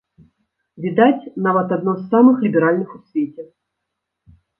Відаць, нават, адно з самых ліберальных у свеце.